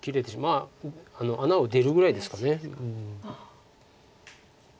まあ穴を出るぐらいですか。